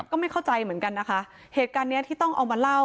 ก็ไม่เข้าใจเหมือนกันนะคะเหตุการณ์เนี้ยที่ต้องเอามาเล่า